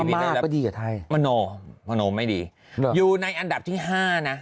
ฮามากก็ดีกับไทยไม่ดีอยู่ในอันดับที่๕นะ